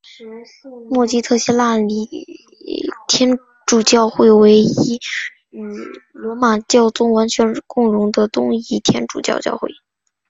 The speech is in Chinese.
默基特希腊礼天主教会为一与罗马教宗完全共融的东仪天主教教会。